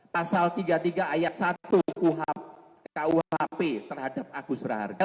pasal tiga puluh tiga ayat satu kuhp terhadap agus raharga